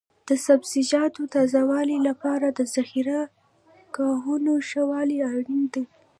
د سبزیجاتو تازه والي لپاره د ذخیره ګاهونو ښه والی اړین دی.